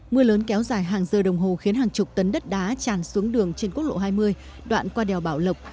mưa lớn kéo dài hàng giờ đồng hồ khiến hàng chục tấn đất đá tràn xuống đường trên quốc lộ hai mươi đoạn qua đèo bảo lộc